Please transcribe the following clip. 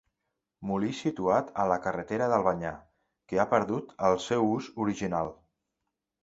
Molí situat a la carretera d'Albanyà, que ha perdut el seu ús original.